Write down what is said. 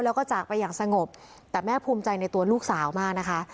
แล้วก็จากไปอย่างสงบแต่แม่ภูมิใจในตัวลูกสาวมากนะคะ